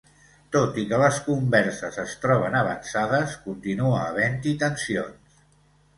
Tot i que les converses es troben avançades, continua havent-hi tensions.